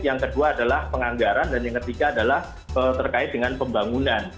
yang kedua adalah penganggaran dan yang ketiga adalah terkait dengan pembangunan